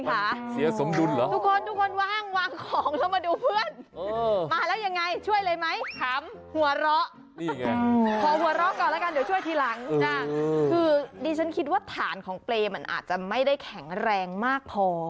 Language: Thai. เดี๋ยวช่วยทีหลังนะคือดิฉันคิดว่าฐานของเปรย์มันอาจจะไม่ได้แข็งแรงมากพอ